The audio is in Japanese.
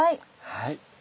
はい。